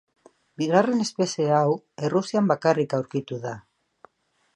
Bigarren espezie hau Errusian bakarrik aurkitu da.